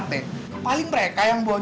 boleh bereneng lo